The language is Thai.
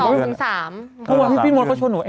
เพราะว่าพี่มดเขาช่วงหนู